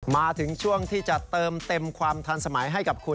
มาถึงช่วงที่จะเติมเต็มความทันสมัยให้กับคุณ